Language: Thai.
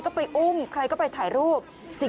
กลับเข้ากันแล้วกัน